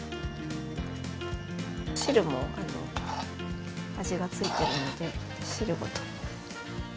汁も味がついてるので汁ごと。